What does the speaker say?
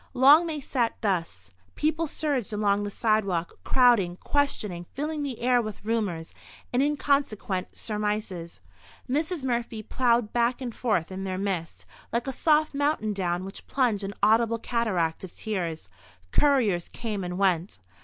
Long they sat thus. People surged along the sidewalk, crowding, questioning, filling the air with rumours, and inconsequent surmises. Mrs. Murphy ploughed back and forth in their midst, like a soft mountain down which plunged an audible cataract of tears. Couriers came and went.